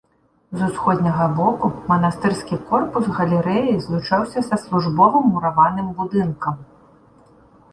З усходняга боку манастырскі корпус галерэяй злучаўся са службовым мураваным будынкам.